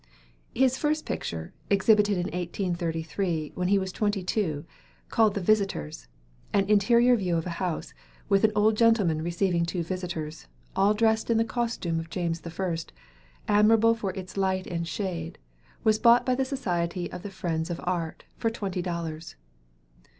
His first picture, exhibited in 1833, when he was twenty two, called "The Visitors," an interior view of a house, with an old gentleman receiving two visitors, all dressed in the costume of James I., admirable for its light and shade, was bought by the Society of the Friends of Art, for twenty dollars.